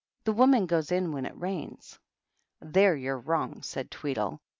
" The woman goes in when it rains." "There you're wrong," said Tweedle.